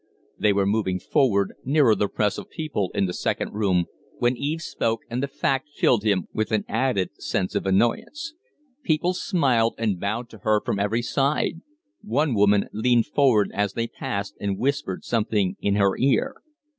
They were moving forward, nearing the press of people in the second room, when Eve spoke, and the fact filled him with an added sense of annoyance. People smiled and bowed to her from every side; one woman leaned forward as they passed and whispered something in her ear.